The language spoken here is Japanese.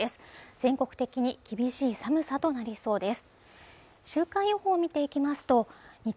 全国的に厳しい寒さとなりそうです